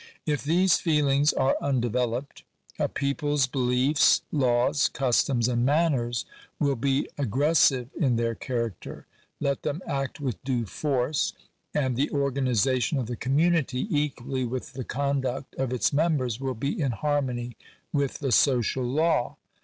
If these feelings are undeveloped, a people Vbeliefe, laws, customs, and manners, will be aggres sive in their character : let them act with due force, and the organization of the community, equally with the conduct of its members, will be in harmony with the social law.